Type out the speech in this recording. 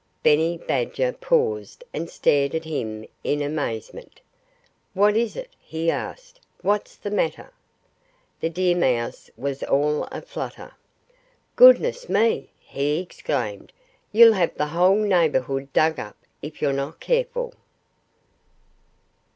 Benny Badger paused and stared at him in amazement. "What is it?" he asked. "What's the matter?" The deer mouse was all a flutter. "Goodness me!" he exclaimed. "You'll have the whole neighborhood dug up if you're not careful!"